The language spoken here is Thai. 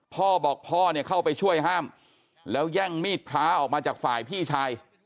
พ่อบอกพ่อเนี่ยเข้าไปช่วยห้ามแล้วแย่งมีดพระออกมาจากฝ่ายพี่ชาย